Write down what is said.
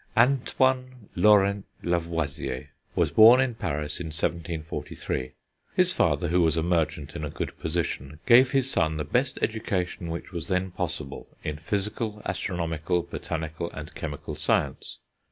Antoine Laurent Lavoisier was born in Paris in 1743. His father, who was a merchant in a good position, gave his son the best education which was then possible, in physical, astronomical, botanical, and chemical science.